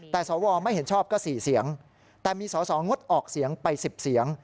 แต่สวไม่เห็นชอบก็๔เสียงแต่มีสมองดออกเสียงไป๑๐เสียง